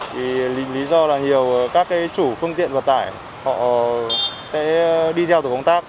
vì lý do là nhiều các chủ phương tiện vận tải họ sẽ đi theo tổ công tác